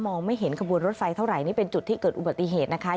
ไม่เห็นขบวนรถไฟเท่าไหร่นี่เป็นจุดที่เกิดอุบัติเหตุนะคะ